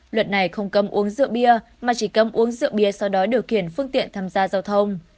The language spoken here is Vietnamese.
luật này không cấm uống rượu bia mà chỉ cấm uống rượu bia sau đó điều khiển phương tiện tham gia giao thông